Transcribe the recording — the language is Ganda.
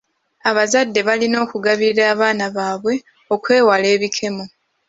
Abazadde balina okugabirira abaana baabwe okwewala ebikemo.